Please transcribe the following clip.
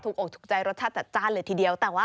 ถูกอกถูกใจรสชาติจัดจ้านเลยทีเดียวแต่ว่า